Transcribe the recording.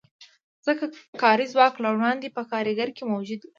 ځکه کاري ځواک له وړاندې په کارګر کې موجود وي